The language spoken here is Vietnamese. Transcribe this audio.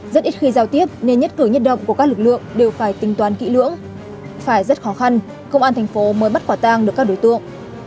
rất ít khi giao tiếp nên nhất cửa nhất động của các lực lượng đều phải tính toán kỹ lưỡng phải rất khó khăn công an thành phố mới bắt quả tang được các đối tượng